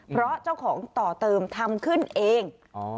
เพราะเจ้าของต่อเติมทำขึ้นเอง